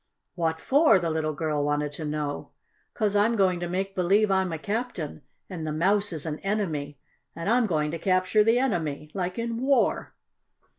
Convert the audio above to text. "What for?" the little girl wanted to know. "'Cause I'm going to make believe I'm a captain, and the mouse is an enemy, and I'm going to capture the enemy. Like in war."